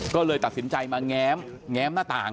ก็เลยตัดสินใจมาแง้มหน้าต่าง